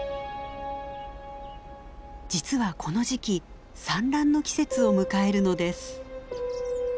実はこの時期産卵の季節を迎えるのです。